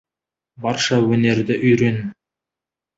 Барша өнерді үйрен.